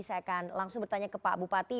saya akan langsung bertanya ke pak bupati